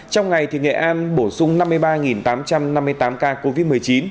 trong ngày nghệ an bổ sung năm mươi ba tám trăm năm mươi tám ca covid một mươi chín